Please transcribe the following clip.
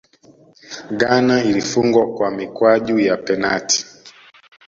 ghana ilifungwa kwa mikwaju ya penati